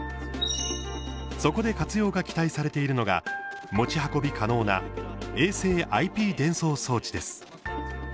そこで活用が期待されているのが持ち運び可能な衛星ＩＰ伝送装置です。